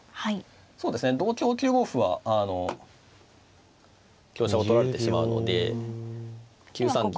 そうですね同香９五歩はあの香車を取られてしまうので９三銀と。